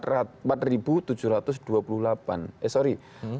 sekarang ini itu ada empat tujuh ratus dua puluh delapan eh sorry empat sembilan ratus tujuh